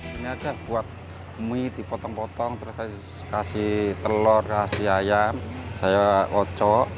saya buat mie dipotong potong terus saya kasih telur kasih ayam saya oco